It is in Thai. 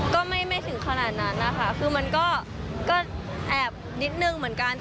ก็ไม่ถึงขนาดนั้นนะคะคือมันก็แอบนิดนึงเหมือนกัน